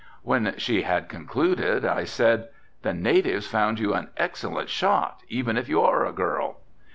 When she had concluded I said, "The natives found you an excellent shot, even if you are a girl."